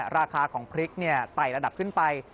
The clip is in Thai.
ราคาของพริกไต่ระดับขึ้นไป